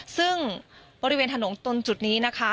ซึ่งบริเวณถนนตรงจุดนี้นะคะ